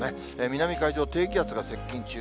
南海上、低気圧が接近中。